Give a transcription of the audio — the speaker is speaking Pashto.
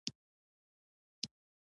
د نورو لیکنو په تمه.